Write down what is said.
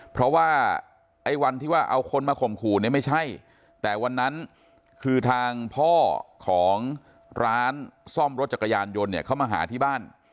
เพราะว่าไอ้วันที่ว่าเอาคนมาข่มขู่เนี่ยไม่ใช่แต่วันนั้นคือทางพ่อของร้านซ่อมรถจักรยานยนต์เนี่ยเขามาหาที่บ้าน